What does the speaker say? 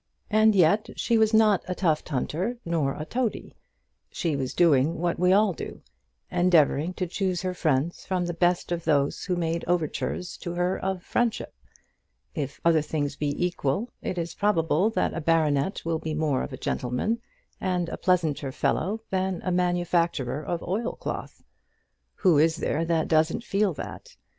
And yet she was not a tufthunter, nor a toady. She was doing what we all do, endeavouring to choose her friends from the best of those who made overtures to her of friendship. If other things be equal, it is probable that a baronet will be more of a gentleman and a pleasanter fellow than a manufacturer of oilcloth. Who is there that doesn't feel that?